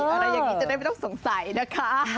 อะไรอย่างนี้จะได้ไม่ต้องสงสัยนะคะ